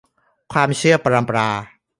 ความเชื่อปรัมปรา